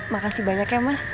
makasih banyak ya mas